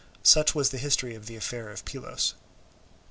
Such was the history of the affair of Pylos.